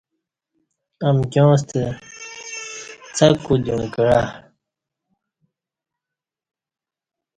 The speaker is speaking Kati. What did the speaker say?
امکیاں ستہ څک کودیوم کعا